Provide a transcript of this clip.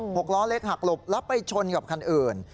หกล้อเล็กหักหลบแล้วไปชนกับคันอื่น